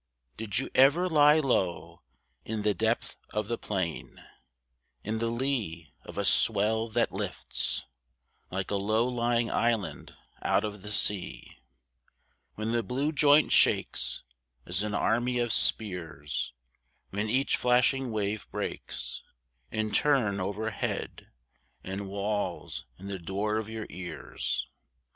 Did you ever lie low In the depth of the plain, & In the lee of a swell that lifts Like a low lying island out of the sea, When the blue joint shakes As an army of spears; When each flashing wave breaks In turn overhead And wails in the door of your ears